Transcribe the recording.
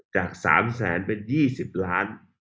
จาก๓๐๐๐๐๐เป็น๒๐ล้าน